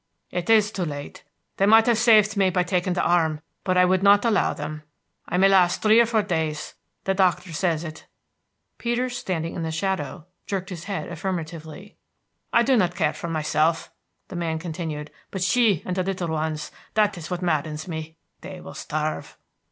"It is too late. They might have saved me by taking the arm, but I would not allow them. I may last three or four days. The doctor says it." Peters, standing in the shadow, jerked his head affirmatively. "I do not care for myself," the man continued, "but she and the little ones That is what maddens me. They will starve."